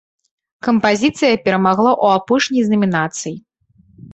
Кампазіцыя перамагла ў апошняй з намінацый.